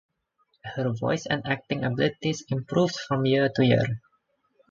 Her voice and acting abilities improved from year to year.